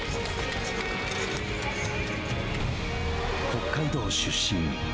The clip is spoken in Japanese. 北海道出身。